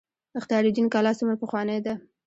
اختیار الدین کلا څومره پخوانۍ ده؟